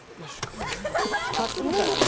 担ぐからね。